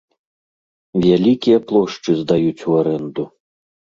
Вялікія плошчы здаюць у арэнду.